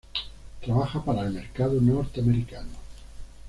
Trabaja para el mercado norteamericano.